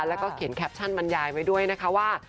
แล้วก็เขียนแคปชั่นบรรยายไว้ด้วยนะคะว่า